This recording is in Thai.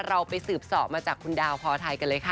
เราไปสืบสอบมาจากคุณดาวพอไทยกันเลยค่ะ